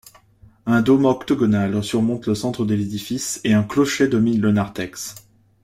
Un dôme octogonal surmonte le centre de l'édifice et un clocher domine le narthex.